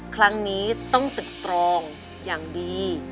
ครั้งนี้ต้องตึกตรองอย่างดี